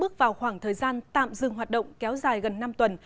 bước vào khoảng thời gian tạm dừng hoạt động kéo dài gần năm tuần